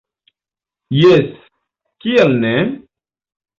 Jes, kial ne?